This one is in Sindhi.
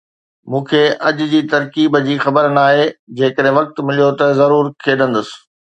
مون کي اڄ جي ترڪيب جي خبر ناهي، جيڪڏهن وقت مليو ته ضرور کيڏندس.